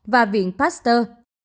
và viện pasteur